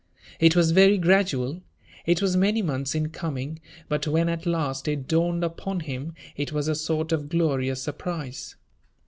It was very gradual, it was many months in coming, but, when at last it dawned upon him, it was a sort of glorious surprise.